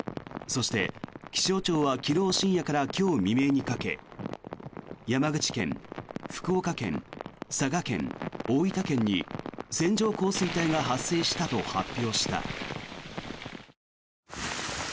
そして、気象庁は昨日深夜から今日未明にかけ山口県、福岡県佐賀県、大分県に線状降水帯が発生したと発表した。